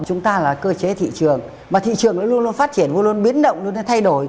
chúng ta là cơ chế thị trường mà thị trường nó luôn luôn phát triển luôn luôn biến động luôn luôn thay đổi